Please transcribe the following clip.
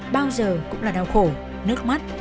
bao giờ cũng là đau khổ nước mắt